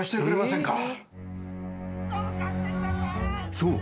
［そう。